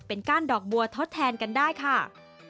เป็นก้านดอกบัวทดแทนกันได้ค่ะ